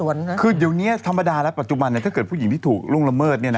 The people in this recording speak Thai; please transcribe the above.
หลังจากเดี๋ยวนี้ธรรมานถ้าเกิดผู้หญิงที่ถูกร่วงระเมิด